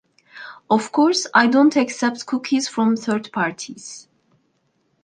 Of course I do not accept cookies from third parties.